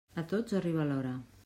A tots arriba l'hora.